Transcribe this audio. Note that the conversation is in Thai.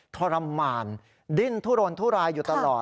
ทรมานดิ้นทุรนทุรายอยู่ตลอด